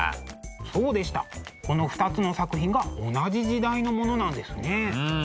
そうでしたこの２つの作品が同じ時代のものなんですね。